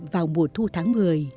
vào mùa thu tháng một mươi